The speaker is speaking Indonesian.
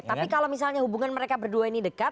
tapi kalau misalnya hubungan mereka berdua ini dekat